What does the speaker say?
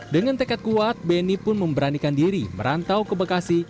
dengan tekad kuat beni pun memberanikan diri merantau ke bekasi